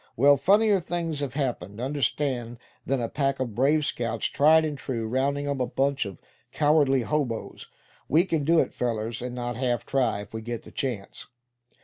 Well, funnier things have happened, understand, than a pack of Brave Scouts, tried and true, rounding up a bunch of cowardly hoboes. We can do it, fellers, and not half try, if we get the chance."